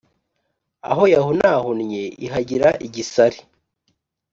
Aho yahunahunnye ihagira igisare